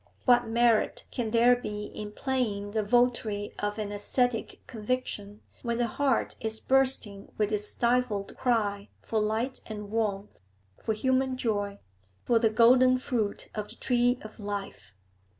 What merit can there be in playing the votary of an ascetic conviction when the heart is bursting with its stifled cry for light and warmth, for human joy, for the golden fruit of the tree of life?